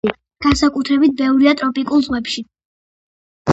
განსაკუთრებით ბევრია ტროპიკულ ზღვებში.